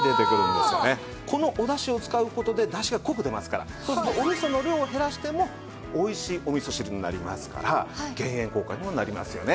このおだしを使う事でだしが濃く出ますからそうするとお味噌の量を減らしてもおいしいお味噌汁になりますから減塩効果にもなりますよね。